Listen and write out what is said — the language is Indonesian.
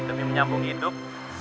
demi menyambung hidup